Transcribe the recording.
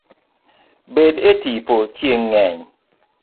Bed e tipo chieng' ng'eny